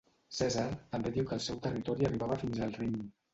Cèsar també diu que el seu territori arribava fins al Rin.